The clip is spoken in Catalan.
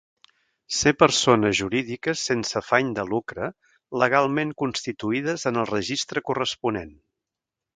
Ser persones jurídiques sense afany de lucre legalment constituïdes en el registre corresponent.